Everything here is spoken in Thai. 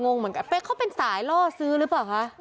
งงเหมือนกันเป๊กเขาเป็นสายล่อซื้อหรือเปล่าคะ